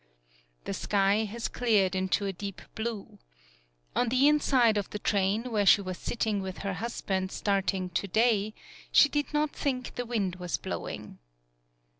The sky has cleared into a deep blue. On the inside of the train where she was sitting with her husband starting 55 PAULOWNIA to day, she did not think the wind was blowing.